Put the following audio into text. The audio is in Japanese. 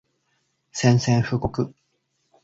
宣戦布告